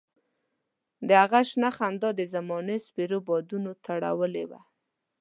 د هغه شنه خندا د زمانې سپېرو بادونو تروړلې وه.